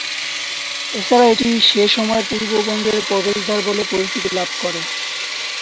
এছাড়া এটি সে সময়ের পূর্ববঙ্গের প্রবেশদ্বার বলে পরিচিতি লাভ করে।